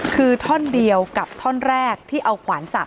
คือท่อนเดียวกับท่อนแรกที่เอาขวานสัก